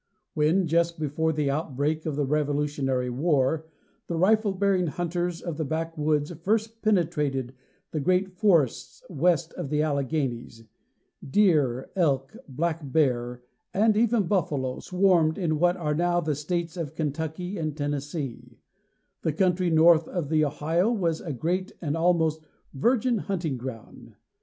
When, just before the outbreak of the Revolutionary War, the rifle bearing hunters of the backwoods first penetrated the great forests west of the Alleghanies, deer, elk, black bear, and even buffalo, swarmed in what are now the States of Kentucky and Tennessee, and the country north of the Ohio was a great and almost virgin hunting ground.